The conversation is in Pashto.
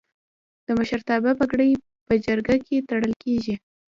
د مشرتابه پګړۍ په جرګه کې تړل کیږي.